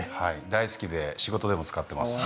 大好きで仕事でも使っています。